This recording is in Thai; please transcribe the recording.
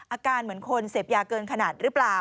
อาการเหมือนคนเสพยาเกินขนาดหรือเปล่า